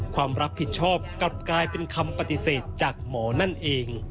ความรับผิดชอบกลับกลายเป็นคำปฏิเสธจากหมอนั่นเอง